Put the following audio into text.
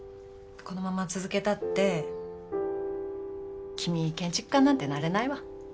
このまま続けたって君建築家になんてなれないわ。